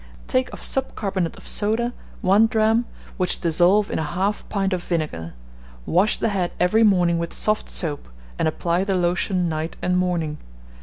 Take of subcarbonate of soda 1 drachm, which dissolve in 1/2 pint of vinegar. Wash the head every morning with soft soap, and apply the lotion night and morning.